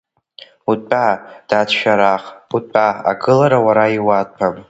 Утәа, дад Шәарах, утәа, агылара уара иуаҭәам!